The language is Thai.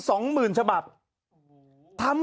จังหรือเปล่าจังหรือเปล่า